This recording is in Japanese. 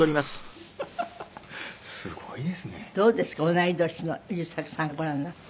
同い年の優作さんご覧になって。